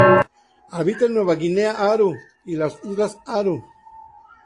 Habita en Nueva Guinea Aru y las islas Aru.